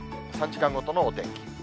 ３時間ごとのお天気。